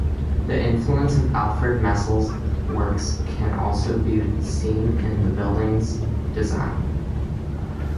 The influence of Alfred Messel's works can also be seen in the building's design.